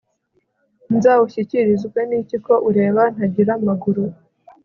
nzawushyikirizwe niki ko ureba ntagira amaguru